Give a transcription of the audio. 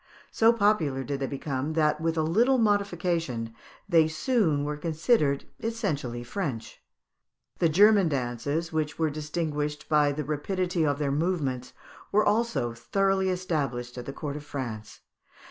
So popular did they become, that with a little modification they soon were considered essentially French. The German dances, which were distinguished by the rapidity of their movements, were also thoroughly established at the court of France.